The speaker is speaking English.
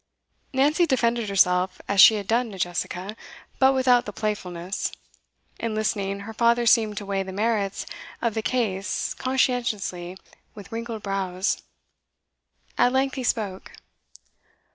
Nancy defended herself as she had done to Jessica, but without the playfulness. In listening, her father seemed to weigh the merits of the case conscientiously with wrinkled brows. At length he spoke.